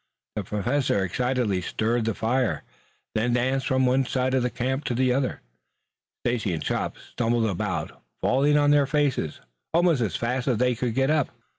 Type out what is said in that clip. The Professor excitedly stirred the fire, then danced from one side of the camp to the other. Stacy and Chops stumbled about, falling on their faces almost as fast as they could get up.